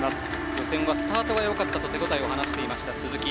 予選スタートがよかったと手応えを話していました鈴木。